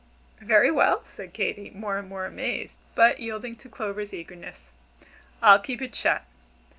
"Very well," said Katy, more and more amazed, but yielding to Clover's eagerness, "I'll keep it shut."